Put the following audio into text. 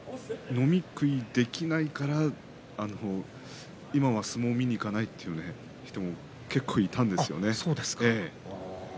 飲み食いできないから今は相撲を見に行かないという方も結構いましたよ。